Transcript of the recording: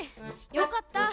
よかった。